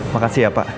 makasih ya pak